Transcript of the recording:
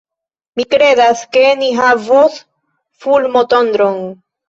Mi kredas, ke ni havos fulmotondron.